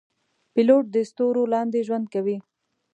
پیلوټ د ستورو لاندې ژوند کوي.